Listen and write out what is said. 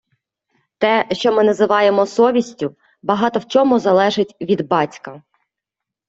Те, що ми називаємо совістю, багато в чому залежить від батька.